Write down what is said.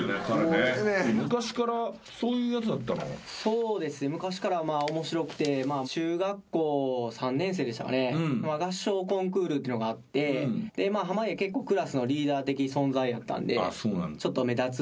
そうですね昔から面白くて中学校３年生でしたかね合唱コンクールっていうのがあって濱家結構クラスのリーダー的存在やったんでちょっと。